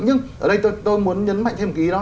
nhưng ở đây tôi muốn nhấn mạnh thêm ký đó